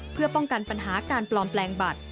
เพื่อป้องกันปัญหาการปลอมแปลงบัตร